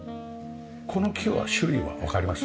この木は種類はわかります？